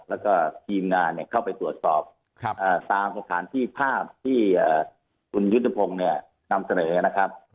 แล้วก็ทีมงานเข้าไปตรวจสอบตามสถานที่ภาพที่คุณยุทธพงศ์เนี่ยนำเสนอนะครับ